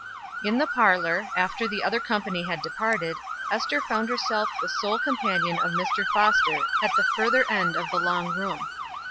In the parlor, after the other company had departed, Ester found herself the sole companion of Mr. Foster at the further end of the long room.